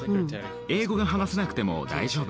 英語が話せなくても大丈夫。